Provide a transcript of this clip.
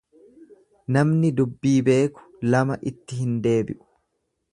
Namni dubbii beeku lama itti hin deebi'u.